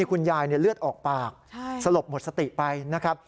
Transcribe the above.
คุณยายเลือดออกปากสลบหมดสติไปนะครับ